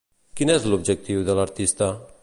Quin és l'objectiu de l'artista?